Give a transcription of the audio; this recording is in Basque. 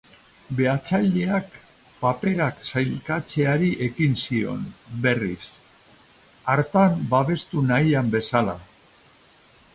Behatzaileak paperak sailkatzeari ekin zion berriz, hartan babestu nahian bezala.